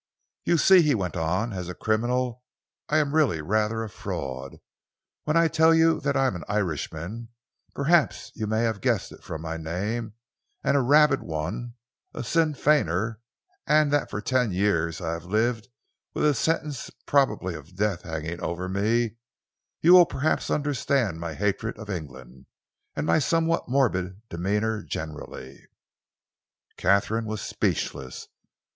"You see," he went on, "as a criminal I am really rather a fraud. When I tell you that I am an Irishman perhaps you may have guessed it from my name and a rabid one, a Sinn Feiner, and that for ten years I have lived with a sentence probably of death hanging over me, you will perhaps understand my hatred of England and my somewhat morbid demeanour generally." Katharine was speechless.